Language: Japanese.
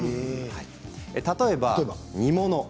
例えば、煮物。